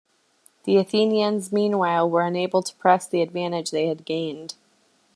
The Athenians, meanwhile, were unable to press the advantage they had gained.